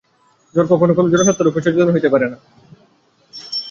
জড় কখনও জড়সত্তা-রূপে চৈতন্য হইতে পারে না।